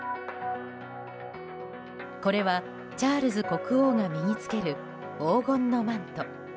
これは、チャールズ国王が身に着ける黄金のマント。